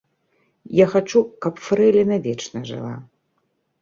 Я хачу, каб фрэйліна вечна жыла.